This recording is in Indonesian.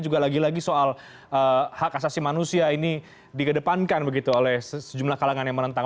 juga lagi lagi soal hak asasi manusia ini dikedepankan begitu oleh sejumlah kalangan yang menentang